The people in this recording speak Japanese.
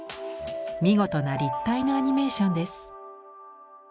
見事な立体のアニメーションです。